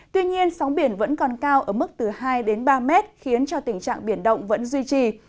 tuy nhiên sóng biển vẫn còn cao ở mức từ hai đến ba mét khiến cho tình trạng biển động vẫn duy trì